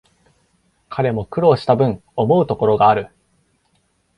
彼も苦労したぶん、思うところがある